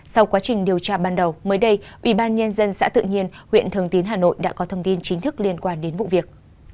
sau quá trình điều tra ban đầu mới đây ủy ban nhân dân xã tự nhiên huyện thường tín hà nội đã có thông tin chính thức liên quan đến vụ việc